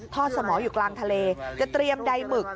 สมออยู่กลางทะเลจะเตรียมใดหมึก